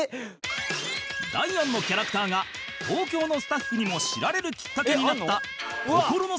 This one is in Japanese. ダイアンのキャラクターが東京のスタッフにも知られるきっかけになった心の叫びがこちら